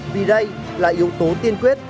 vì đây là yếu tố tiên quyết